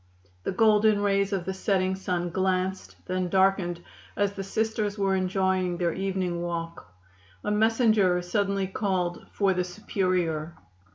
The golden rays of the setting sun glanced, then darkened as the Sisters were enjoying their evening walk. A messenger suddenly called for the Superior.